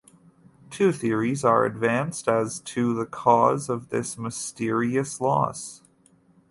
Two theories are advanced as to the cause of this mysterious loss.